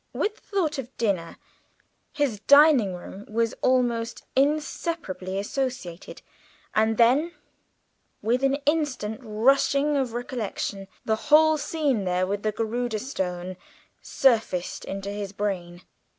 With the thought of dinner his dining room was almost inseparably associated, and then, with an instant rush of recollection, the whole scene there with the Garudâ Stone surged into his brain.